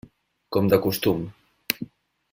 Com de costum.